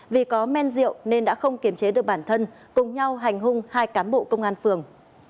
vì có men rượu nên đã không kiềm chế được bản thân cùng nhau hành hung hai cán bộ công an phường